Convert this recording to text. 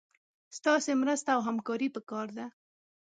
ستاسي مرسته او همکاري پکار ده